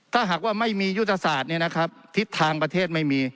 ถ้าหากว่าไม่มียุทธศาสตร์เนี่ยนะครับทิศทางประเทศไม่มี